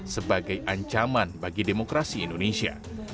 sebagai ancaman bagi demokrasi indonesia